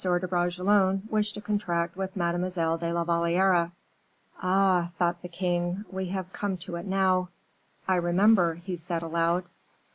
de Bragelonne wished to contract with Mademoiselle de la Valliere." "Ah!" thought the king, "we have come to it now. I remember," he said, aloud.